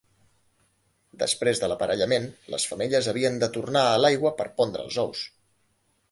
Després de l'aparellament, les femelles havien de tornar a l'aigua per pondre els ous.